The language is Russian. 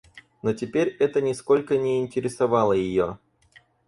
Но теперь это нисколько не интересовало ее.